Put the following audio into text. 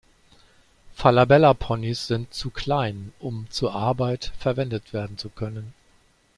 Falabella-Ponys sind zu klein, um zur Arbeit verwendet werden zu können.